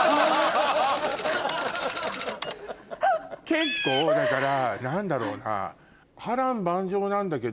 結構だから何だろうな？